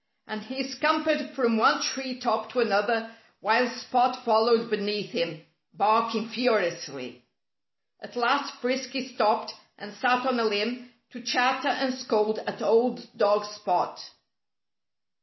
And he scampered from one tree top to another while Spot followed beneath him, barking furiously. At last Frisky stopped and sat on a limb, to chatter and scold at old dog Spot.